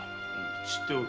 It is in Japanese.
知っておる。